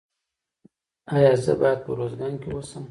ایا زه باید په ارزګان کې اوسم؟